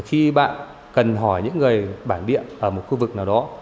khi bạn cần hỏi những người bản địa ở một khu vực nào đó